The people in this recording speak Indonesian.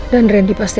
dan randy pasti